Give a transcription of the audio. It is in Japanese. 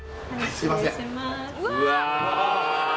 すいませんうわ